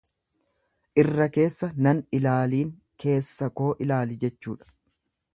Irra keessa nan ilaalin keessa koo ilaali jechuudha.